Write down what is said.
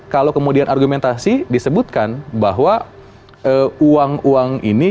kalau kemudian argumentasi disebutkan bahwa uang uang ini